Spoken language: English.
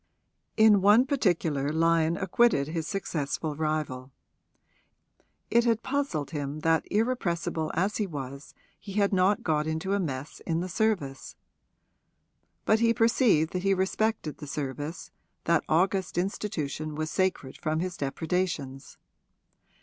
In one particular Lyon acquitted his successful rival; it had puzzled him that irrepressible as he was he had not got into a mess in the service. But he perceived that he respected the service that august institution was sacred from his depredations.